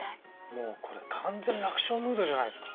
もうこれ完全楽勝ムードじゃないですか。